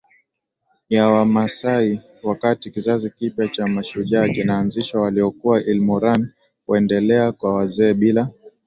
ya Wamaasai Wakati kizazi kipya cha mashujaa kinaanzishwa waliokuwa ilmoran huendelea kuwa wazee bila